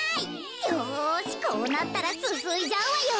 よしこうなったらすすいじゃうわよ。